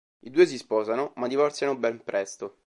I due si sposano ma divorziano ben presto.